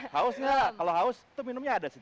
hausnya kalau haus itu minumnya ada sih